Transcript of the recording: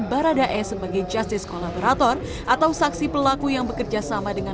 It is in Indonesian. baradae sebagai justice kolaborator atau saksi pelaku yang bekerjasama dengan penegak hukum untuk